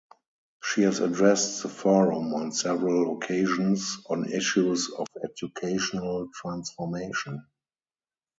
She has addressed the Forum on several occasions on issues of educational transformation.